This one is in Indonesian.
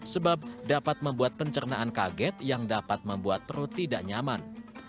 sebab dapat membuat pencernaan kaget yang dapat membuat perut tidak nyaman